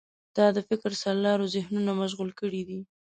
دا د فکر سرلارو ذهنونه مشغول کړي دي.